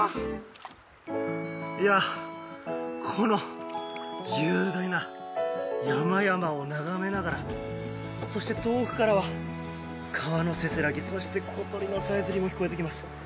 この雄大な山々を眺めながらそして遠くからは川のせせらぎそして小鳥のさえずりも聞こえてきます。